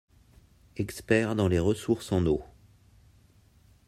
Expert dans les ressources en eau.